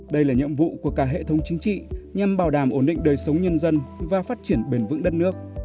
đây là nhiệm vụ của cả hệ thống chính trị nhằm bảo đảm ổn định đời sống nhân dân và phát triển bền vững đất nước